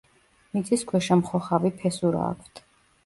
მიწისქვეშა მხოხავი ფესურა აქვთ.